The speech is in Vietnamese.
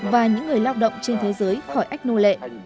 và những người lao động trên thế giới khỏi ách nô lệ